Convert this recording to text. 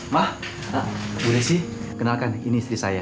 ma budesi kenalkan ini istri saya